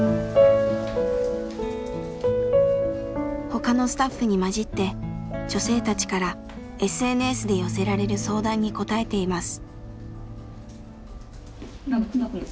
他のスタッフに交じって女性たちからＳＮＳで寄せられる相談に答えています。